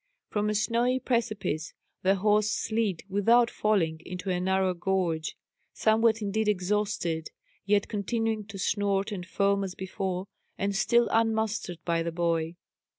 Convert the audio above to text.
From a snowy precipice the horse slid, without falling, into a narrow gorge, somewhat indeed exhausted, yet continuing to snort and foam as before, and still unmastered by the boy.